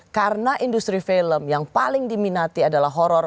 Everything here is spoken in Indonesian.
karena industri film yang paling diminati adalah horror